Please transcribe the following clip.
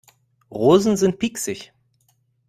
Rosen sind pieksig.